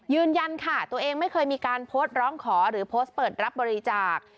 ยืนยันค่ะตัวเองไม่เคยมีการโพสต์ร้องขอหรือโพสต์เปิดรับบริจาค